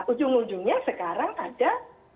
ujung ujungnya sekarang ada